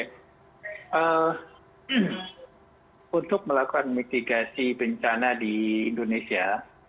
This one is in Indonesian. untuk melakukan mitigasi bencana di indonesia